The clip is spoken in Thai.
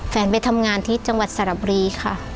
ไปทำงานที่จังหวัดสระบุรีค่ะ